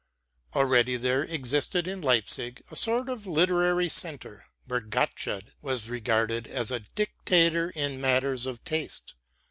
Already there existed in Leipzig a sort of literary centre, where Gottsched was regarded as a dictator in matters of taste.